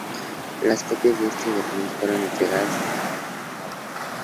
Las copias de este documento fueron entregadas al Ab.